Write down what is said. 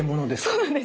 そうなんです。